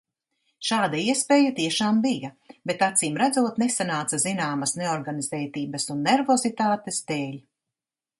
Šāda iespēja tiešām bija, bet acīmredzot nesanāca zināmas neorganizētības un nervozitātes dēļ.